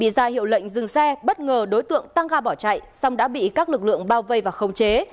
điện biên đã bỏ chạy xong đã bị các lực lượng bao vây và khống chế